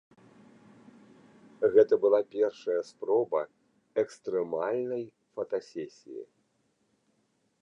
Гэта была першая спроба экстрэмальнай фотасесіі.